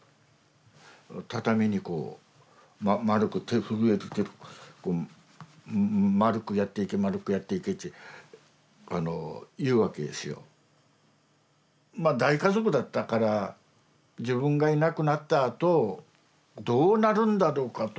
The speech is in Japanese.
畳にこう丸く震える手でまあ大家族だったから自分がいなくなったあとどうなるんだろうかと。